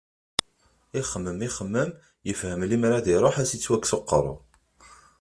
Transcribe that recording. Ixemmem, ixemmem, yefhem limer ad iruḥ ad as-yettwikkes uqerru.